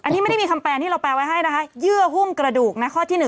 อันนี้ไม่ได้มีคำแปลที่เราแปลไว้ให้นะคะเยื่อหุ้มกระดูกนะข้อที่๑